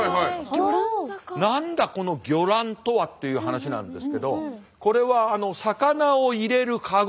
「何だこの魚籃とは？」っていう話なんですけどこれは魚を入れるカゴ。